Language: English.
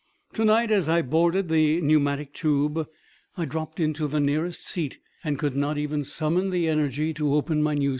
To night, as I boarded the pneumatic tube, I dropped into the nearest seat and could not even summon the energy to open my newspaper.